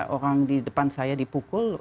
orang di depan saya dipukul